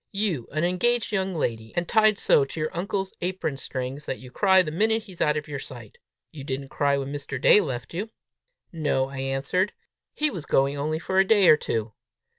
"You an engaged young lady, and tied so to your uncle's apron strings that you cry the minute he's out of your sight! You didn't cry when Mr. Day left you!" "No," I answered; "he was going only for a day or two!"